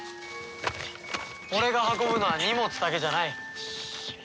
俺が運ぶのは荷物だけじゃない。